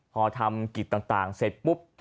พอทำกิจต่างเสร็จปุ๊บ